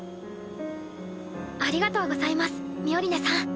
ありがとうございますミオリネさん。